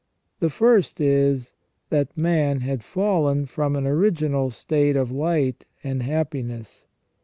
The first is, that man had fallen from an original state of light and happiness.